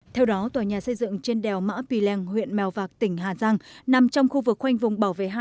theo đó tòa nhà xây dựng trên đèo mã pì lèng huyện mèo vạc tỉnh hà giang nằm trong khu vực khoanh vùng bảo vệ hai